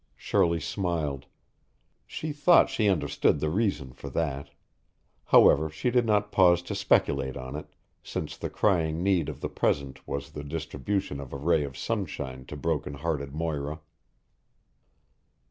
Shirley smiled. She thought she understood the reason for that. However, she did not pause to speculate on it, since the crying need of the present was the distribution of a ray of sunshine to broken hearted Moira.